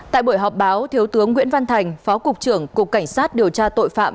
tại buổi họp báo thiếu tướng nguyễn văn thành phó cục trưởng cục cảnh sát điều tra tội phạm